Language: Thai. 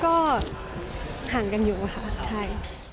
ก็ห่างกันอยู่ค่ะใช่